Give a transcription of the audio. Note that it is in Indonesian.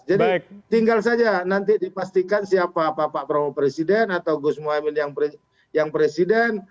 jadi tinggal saja nanti dipastikan siapa pak prabowo presiden atau gus muaymin yang presiden